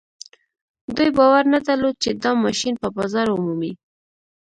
دوی باور نه درلود چې دا ماشين به بازار ومومي.